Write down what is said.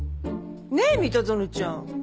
ねえ三田園ちゃん。